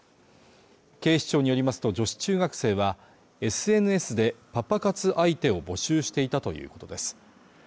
警視庁によりますと女子中学生はＳＮＳでパパ活相手を募集していたということです